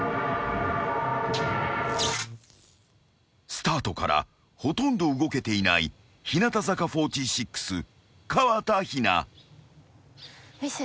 ［スタートからほとんど動けていない日向坂４６河田陽菜］